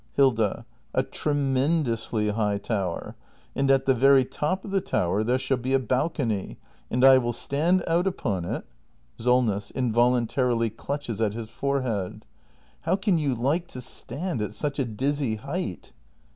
Hilda. A tremendously high tower. And at the very top of the tower there shall be a balcony. And I will stand out upon it SOLNESS. [Involuntarily clutches at his forehead.] How can you like to stand at such a dizzy height